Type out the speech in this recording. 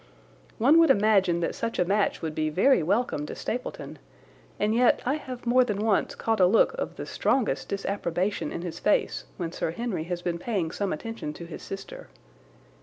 One would imagine that such a match would be very welcome to Stapleton, and yet I have more than once caught a look of the strongest disapprobation in his face when Sir Henry has been paying some attention to his sister.